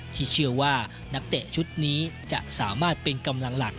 ที่เชื่อว่านักเตะชุดนี้จะสามารถเป็นกำลังหลัก